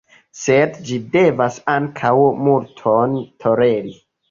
Sed ĝi devas ankaŭ multon toleri.